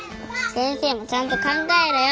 先生もちゃんと考えろよ。